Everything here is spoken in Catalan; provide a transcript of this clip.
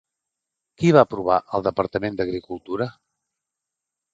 Qui va aprovar el Departament d'Agricultura?